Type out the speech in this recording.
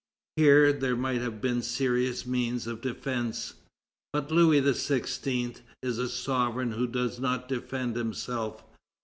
Here, there might have been serious means of defence. But Louis XVI. is a sovereign who does not defend himself.